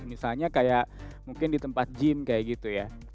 misalnya kayak mungkin di tempat gym kayak gitu ya